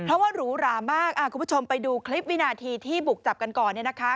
เพราะว่าหรูหรามากคุณผู้ชมไปดูคลิปวินาทีที่บุกจับกันก่อนเนี่ยนะคะ